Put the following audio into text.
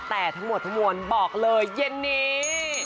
แต่ทั้งหมดทั้งมวลบอกเลยเย็นนี้